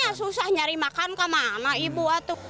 ya susah nyari makan kemana ibu